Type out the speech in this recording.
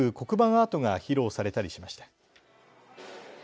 アートが披露されたりしました。